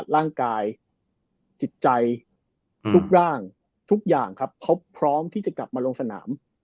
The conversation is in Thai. ร่างกายจิตใจทุกร่างทุกอย่างครับเขาพร้อมที่จะกลับมาลงสนาม